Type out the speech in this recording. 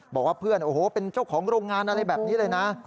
บอกว่าเพื่อนโอ้โหเป็นเจ้าของโรงงานอะไรแบบนี้เลยนะ